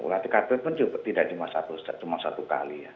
olah tkp pun tidak cuma satu kali ya